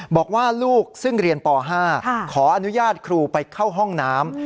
บอกว่าลูกซึ่งเรียนป๕ขออนุญาตครูไปเข้าห้องน้ำ